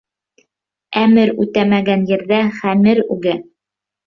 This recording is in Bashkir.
Әмер үтмәгән ерҙә хәмер үгә.